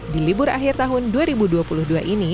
di libur akhir tahun dua ribu dua puluh dua ini